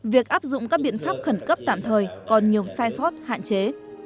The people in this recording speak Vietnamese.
việc áp dụng các biện pháp khẩn cấp tạm thời còn nhiều sai sót hạn chế